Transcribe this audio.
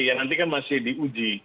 yang nanti kan masih diuji